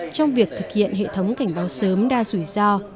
trong việc thực hiện hệ thống cảnh báo sớm đa rủi ro